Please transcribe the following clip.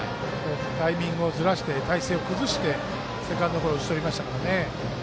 タイミングをずらして体勢を崩してセカンドゴロ打ち取りましたからね。